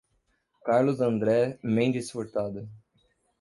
Carlos André Mendes Furtado